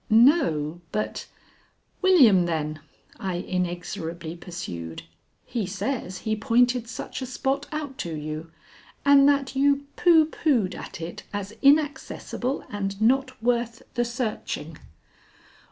"No, but " "William, then?" I inexorably pursued. "He says he pointed such a spot out to you, and that you pooh poohed at it as inaccessible and not worth the searching."